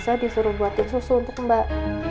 saya disuruh buatin susu untuk mbak